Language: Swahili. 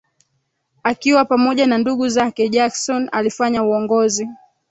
Akiwa pamoja na ndugu zake Jackson alifanya uongozi